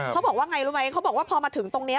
เขาบอกว่าไงรู้ไหมเขาบอกว่าพอมาถึงตรงนี้